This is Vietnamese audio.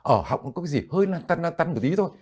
ở học có cái gì hơi tan tan tan một tí thôi